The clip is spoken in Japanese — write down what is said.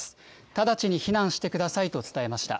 直ちに避難してくださいと伝えました。